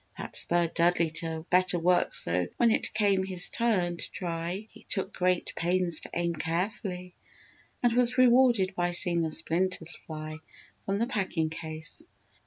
That spurred Dudley to better work so when it came his turn to try he took great pains to aim carefully and was rewarded by seeing the splinters fly from the packing case.